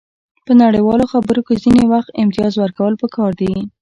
په نړیوالو خبرو کې ځینې وخت امتیاز ورکول پکار دي